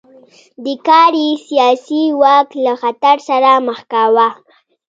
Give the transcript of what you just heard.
دې کار یې سیاسي واک له خطر سره مخ کاوه.